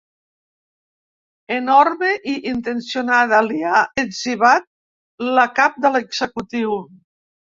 Enorme i intencionada, li ha etzibat la cap de l’executiu.